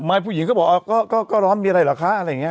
ผู้หญิงก็บอกก็ร้อนมีอะไรเหรอคะอะไรอย่างนี้